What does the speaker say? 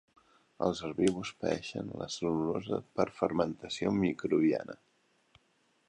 Els herbívors paeixen la cel·lulosa per fermentació microbiana.